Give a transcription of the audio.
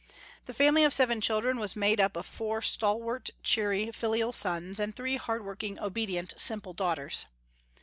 The family of seven children was made up of four stalwart, cheery, filial sons, and three hard working obedient simple daughters.